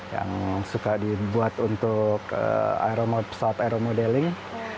yang suka dibuat untuk pesawat aeromodeling